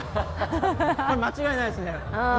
これ間違いないですね。